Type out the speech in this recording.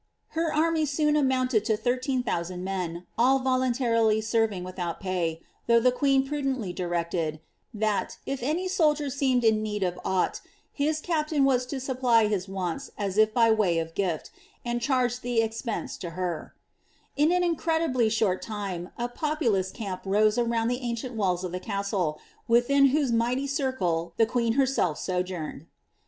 Bar amj to 13,000 mc;p, all ▼oluntarily senrina wiUioat pay, thongh tlia "Nvdently directed ^ that, if any soldier seemed in need of aBghi, hk captain was to supply his wants as if by way of gift, and ehvge the expense to her." In an incredibly short time a populons camp rast around the ancient walls of the castle, within whose mighty dida the f|iieen herself sojourned.